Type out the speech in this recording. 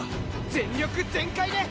全力全開で。